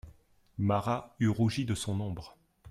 Marat eût rougi de son ombre.